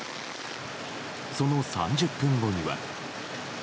その３０分後には。